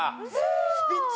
スピッツ？